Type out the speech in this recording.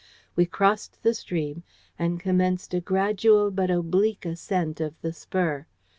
We crossed the stream, and commenced a gradual but oblique ascent of the spur.